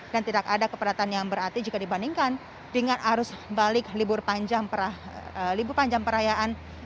dan tidak ada keperlatan yang berarti jika dibandingkan dengan arus balik libur panjang perayaan